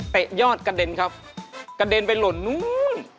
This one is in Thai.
ยอดกระเด็นครับกระเด็นไปหล่นนู้น